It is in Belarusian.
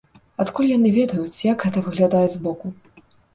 Адкуль яны ведаюць, як гэта выглядае з боку?